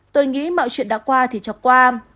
tôi nghĩ mọi chuyện đã qua thì chọc qua